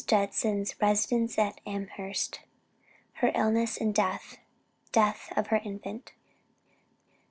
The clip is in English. JUDSON'S RESIDENCE AT AMHERST. HER ILLNESS AND DEATH DEATH OF HER INFANT.